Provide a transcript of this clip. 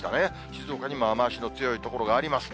静岡にも雨足の強い所があります。